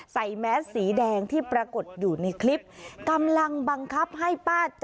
ใส่แมสสีแดงที่ปรากฏอยู่ในคลิป